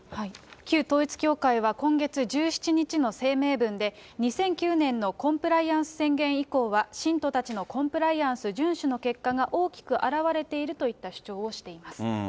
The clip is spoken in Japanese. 旧統一教会は今月１７日の声明文で、２００９年のコンプライアンス宣言以降は信徒たちのコンプライアンス順守の結果が大きく表れているといった主張をしています。